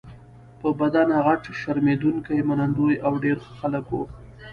په بدنه غټ، شرمېدونکي، منندوی او ډېر ښه خلک وو.